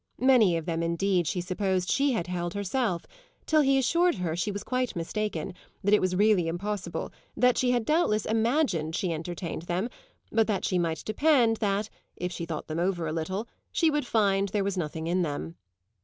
Many of them indeed she supposed she had held herself, till he assured her she was quite mistaken, that it was really impossible, that she had doubtless imagined she entertained them, but that she might depend that, if she thought them over a little, she would find there was nothing in them.